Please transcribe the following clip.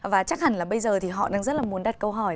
và chắc hẳn là bây giờ thì họ đang rất là muốn đặt câu hỏi